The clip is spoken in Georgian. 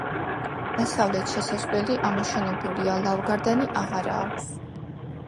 დასავლეთ შესასვლელი ამოშენებულია; ლავგარდანი აღარა აქვს.